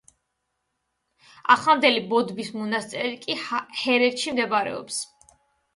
ახლანდელი ბოდბის მონასტერი კი ჰერეთში მდებარეობს.